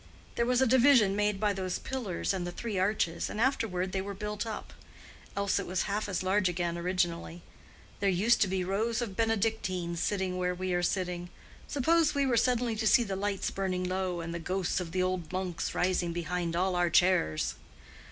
There was a division made by those pillars and the three arches, and afterward they were built up. Else it was half as large again originally. There used to be rows of Benedictines sitting where we are sitting. Suppose we were suddenly to see the lights burning low and the ghosts of the old monks rising behind all our chairs!"